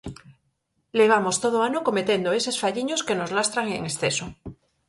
Levamos todo o ano cometendo eses falliños que nos lastran en exceso.